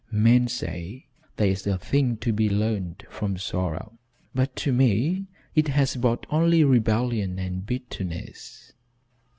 Men say there is a thing to be learned from sorrow, but to me it has brought only rebellion and bitterness.